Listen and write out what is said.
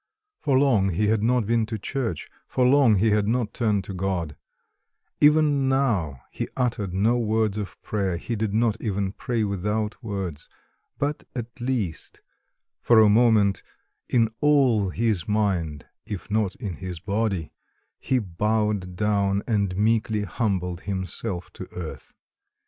For long he had not been to church, for long he had not turned to God: even now he uttered no words of prayer he did not even pray without words but, at least, for a moment in all his mind, if not in his body, he bowed down and meekly humbled himself to earth.